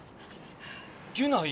ギュナイ？